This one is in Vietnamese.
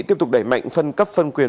tiếp tục đẩy mạnh phân cấp phân quyền